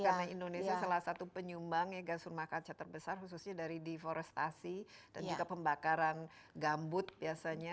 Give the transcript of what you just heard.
karena indonesia salah satu penyumbang ya gas rumah kaca terbesar khususnya dari deforestasi dan juga pembakaran gambut biasanya